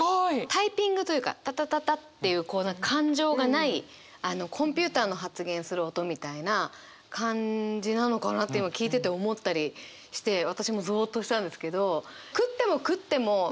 タイピングというかタタタタっていうこう何か感情がないコンピューターの発言する音みたいな感じなのかなって今聞いてて思ったりして私もぞおっとしたんですけど。